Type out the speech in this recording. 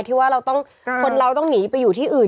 ที่ว่าเราต้องคนเราต้องหนีไปอยู่ที่อื่น